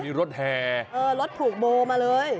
มีรถแห่รถผูกโบมาเลย